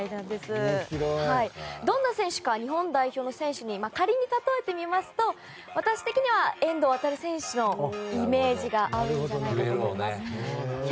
どんな選手か日本代表の選手に仮に例えてみますと私的には遠藤航選手のイメージがあるんじゃないかと思います。